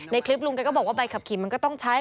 คลิปลุงแกก็บอกว่าใบขับขี่มันก็ต้องใช้